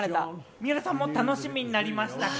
水卜さんも楽しみになりましたか？